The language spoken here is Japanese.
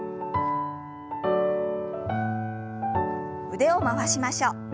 腕を回しましょう。